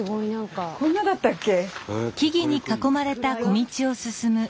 こんなだったっけ？